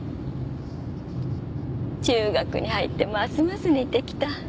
中学に入ってますます似てきた。